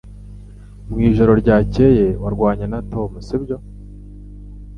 Mwijoro ryakeye warwanye na Tom sibyo